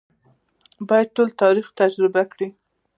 باید ټول تاریخ تجربه کړي.